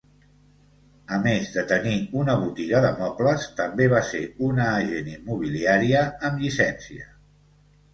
A més de tenir una botiga de mobles, també va ser una agent immobiliària amb llicència.